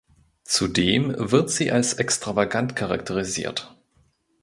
Zudem wird sie als „extravagant“ charakterisiert.